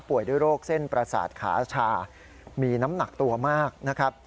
ด้วยโรคเส้นประสาทขาชามีน้ำหนักตัวมากนะครับ